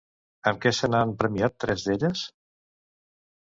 Amb què se n'han premiat tres d'elles?